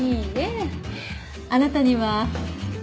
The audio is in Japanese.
あなたには。